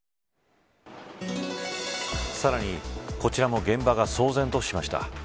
さらにこちらも現場が騒然としました。